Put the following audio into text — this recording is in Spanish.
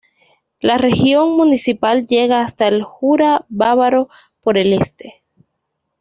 La región municipal llega hasta el Jura Bávaro, por el este.